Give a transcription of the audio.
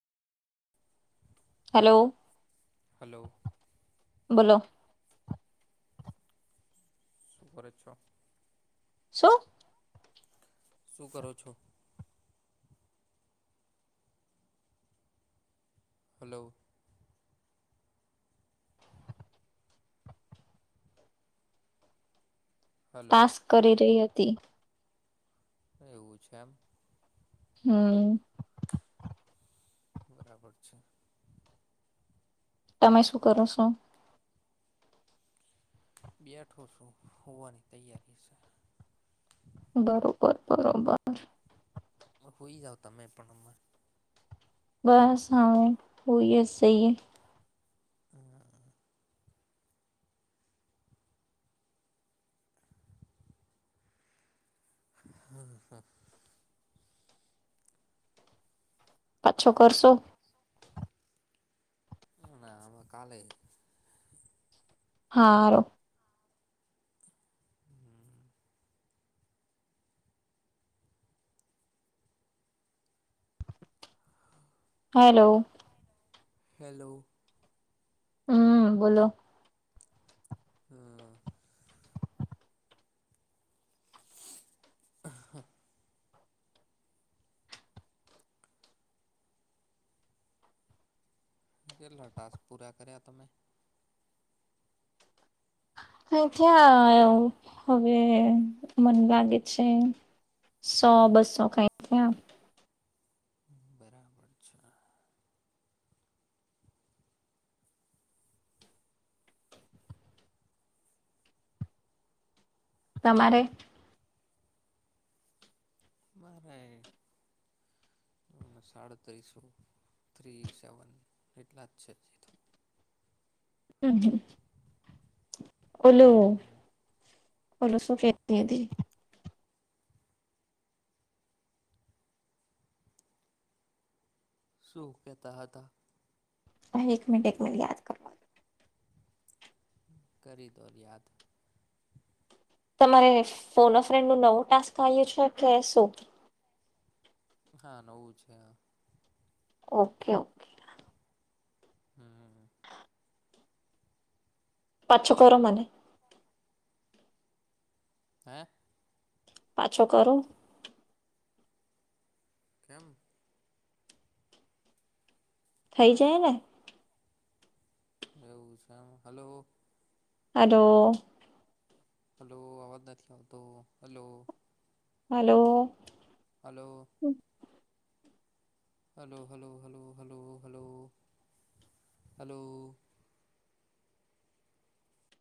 Hello. Hello. બોલો. શું કરો છો. શું. શું કરો છો. હલો. હલો ટાસ્ક કરી રહી હતી. આ એવું છે એમ. હા. બરાબર છે. તમે શું કરો છો. બે ઠો શું હુંવાની તૈયારી છે. બરોબર બરોબર. આ સુઈ જાવો તમે પણ [unintelligible] બસ હા હું હુંઈએ [unintelligible] હા. હા હા. પાછો કરશો. એમાંય આમાં કાલે. હારો. હમ. હેલો. હેલો. હમ બોલો. હા. કેટલા ટાસ્ક પૂરા કર્યા તમે. હઉ ત્યાં એ [unintelligible] હવે મન લાગે છે. સો બસ્સો કાઈ થ્યા. પરીક્ષા. તમારે? મારેય. અહ સાડત્રીસો થ્રી સેવન એટલા જ છે. તો હમ હમ. ઓલું હમ ઓલું શું કેતી હતી. શું કહેતા હતા. હ એક મિન્ટ એક મ યાદ કર. કરી દર યાદ. તમારે ફોન ફ્રેન્ડ નું નવો ટાસ્ક આવ્યો છે કે શું? હા નવું છે. ઓકે ઓ. હમ. પાછો કરો મને. હે! પાછો કરો. ખેમ. થઈ જાય ને. એવું છે એમ હલો. આદો. હલો અવાજ નથી આવતો hello. Hello. Hello. Hello hello hello hello hello hello.